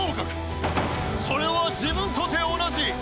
それは自分とて同じ。